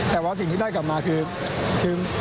แต่ว่าสิ่งที่ได้กลับมาคือมันก็คงเป็น